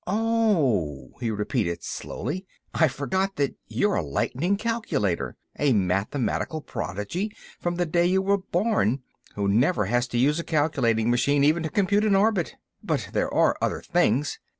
"Oh," he repeated, slowly, "I forgot that you're a lightning calculator—a mathematical prodigy from the day you were born—who never has to use a calculating machine even to compute an orbit.... But there are other things."